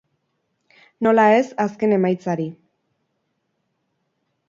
Nola ez, azken emaitzari.